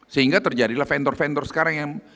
sehingga terjadilah vendor vendor sekarang yang